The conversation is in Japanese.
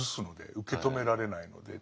受け止められないので。